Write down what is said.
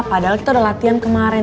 padahal kita udah latihan kemarin